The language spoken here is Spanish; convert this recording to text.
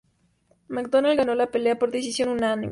McDonald ganó la pelea por decisión unánime.